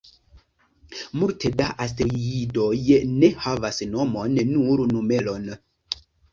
Multe da asteroidoj ne havas nomon, nur numeron.